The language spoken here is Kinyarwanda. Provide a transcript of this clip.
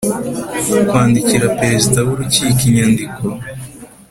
kwandikira perezida w urukiko inyandiko